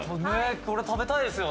これ食べたいですよね。